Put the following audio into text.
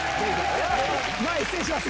前失礼します！